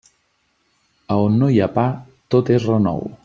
A on no hi ha pa, tot és renou.